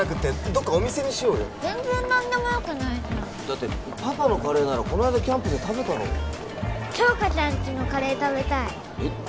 どっかお店にしようよ全然何でもよくないじゃんだってパパのカレーならこの間キャンプで食べたろ杏花ちゃんちのカレー食べたいえっ？